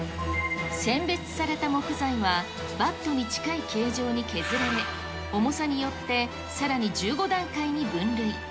選別された木材はバットに近い形状に削られ、重さによってさらに１５段階に分類。